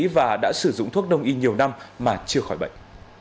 và đã sử dụng thuốc đông y nhiều năm mà chưa khỏi bệnh